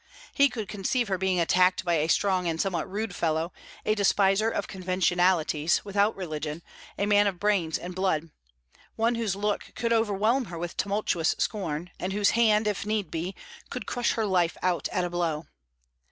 He could conceive her being attracted by a strong and somewhat rude fellow, a despiser of conventionalities, without religion, a man of brains and blood; one whose look could overwhelm her with tumultuous scorn, and whose hand, if need be, could crush her life out at a blow.